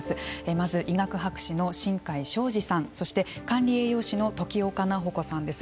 まず医学博士の新開省二さんそして管理栄養士の時岡奈穂子さんです。